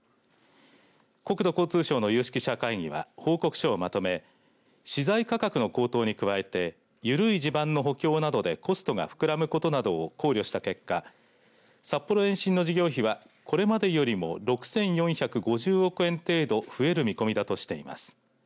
国土交通省の有識者会議は報告書をまとめ資材価格の高騰に加えて緩い地盤の補強などでコストが膨らむことなどを考慮した結果札幌延伸の事業費がこれまでよりも６４５０億円程度増える見込みだとしています。